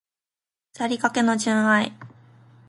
腐りかけの純愛